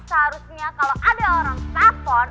harusnya kalo ada orang telepon